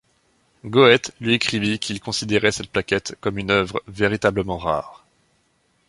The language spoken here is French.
Goethe lui écrivit qu’il considérait cette plaquette comme une œuvre véritablement rare.